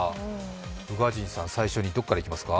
宇賀神さん、最初にどこからいきますか？